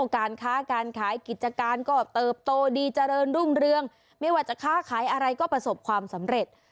การค้าการขายกิจการก็เติบโตดีเจริญรุ่งเรืองไม่ว่าจะค้าขายอะไรก็ประสบความสำเร็จ